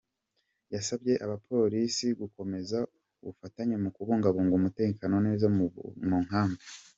Yasabye abapolisi gukomeza ubufatanye mu kubungabunga umutekano neza mu nkambi.